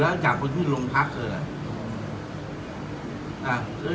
เพราะว่าเขาเขาดูอยู่แล้วจากคนที่ลงพักเถอะอ่ะ